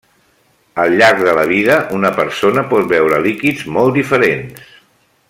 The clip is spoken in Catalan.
Al llarg de la vida una persona pot beure líquids molt diferents.